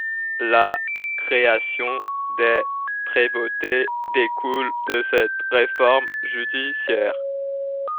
La création des prévôtés découlent de cette réforme judiciaire.